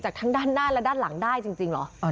ทั้งด้านหน้าและด้านหลังได้จริงเหรอ